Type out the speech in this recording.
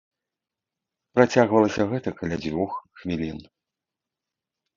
Працягвалася гэта каля дзвюх хвілін.